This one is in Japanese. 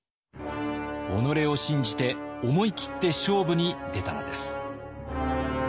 己を信じて思い切って勝負に出たのです。